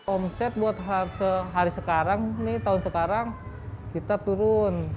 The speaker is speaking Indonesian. omset buat hari sekarang tahun sekarang kita turun